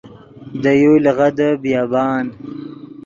دے یو لیغدے بیابان